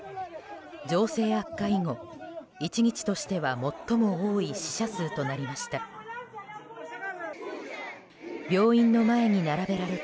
情勢悪化以後、１日としては最も多い死者数となりました。